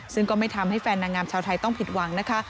ซึ่งก็ไม่ทำให้แฟนนางงามชาวไทยต้องผิดหวังนะคะ